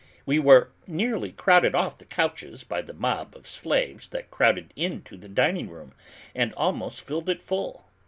We were nearly crowded off the couches by the mob of slaves that crowded into the dining room and almost filled it full.